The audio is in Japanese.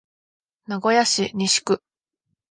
名古屋市西区